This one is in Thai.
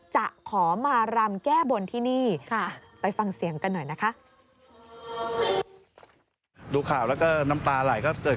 จะขอมารำแก้บนที่นี่